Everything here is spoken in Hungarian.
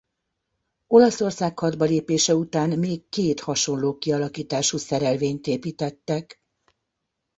Olaszország hadba lépése után még két hasonló kialakítású szerelvényt építettek.